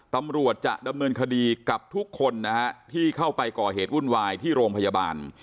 ตำรวจจะดำเนินคดีกับทุกคนนะฮะที่เข้าไปก่อเหตุวุ่นวายที่โรงพยาบาล